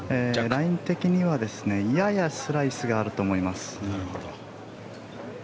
ライン的にはややスライスがあると思います。